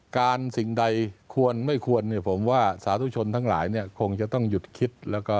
การสิ่งใดควรไม่ควรผมว่าสาธุชนทั้งหลายเนี่ยคงจะต้องหยุดคิด